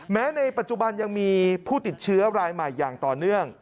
ในปัจจุบันยังมีผู้ติดเชื้อรายใหม่อย่างต่อเนื่อง